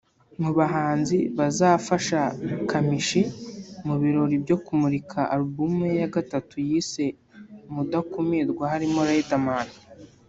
Mu bahanzi bazafasha Kamichi mu birori byo kumurika album ye ya gatatu yise Mudakumirwa harimo Riderman